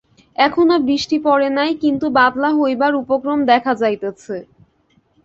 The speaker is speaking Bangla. এখনও বৃষ্টি পড়ে নাই, কিন্তু বাদলা হইবার উপক্রম দেখা যাইতেছে।